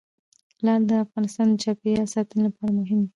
لعل د افغانستان د چاپیریال ساتنې لپاره مهم دي.